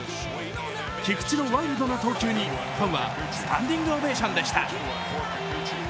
菊池のワイルドな投球にファンはスタンディングオベーションでした。